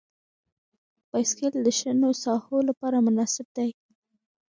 بایسکل د شنو ساحو لپاره مناسب دی.